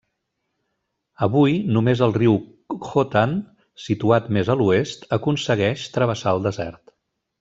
Avui, només el riu Khotan, situat més a l'oest, aconsegueix travessar el desert.